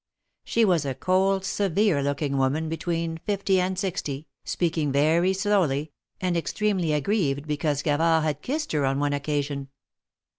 She was a cold, severe looking woman, between fifty and sixty, speaking very slowly, and extremely aggrieved because Gavard had kissed her on one occasion.